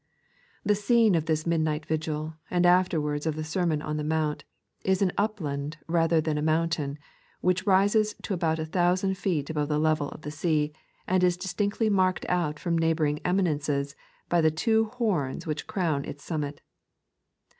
The scene of this midnight vigil, and afterwards of the Sermon on the Mount, is an upland rather than a moun tain, which rises to about a thousand feet above the level of the sea, and is distinctly marked out from neighbouring eminences by the two boms which crown Its summit.